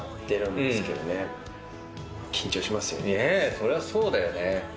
そりゃそうだよね。